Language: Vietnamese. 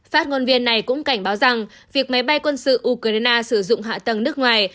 phát ngôn viên này cũng cảnh báo rằng việc máy bay quân sự ukraine sử dụng hạ tầng nước ngoài